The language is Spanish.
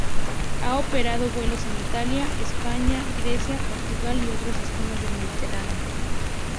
Ha operado vuelos en Italia, España, Grecia, Portugal y otros destinos del Mediterráneo.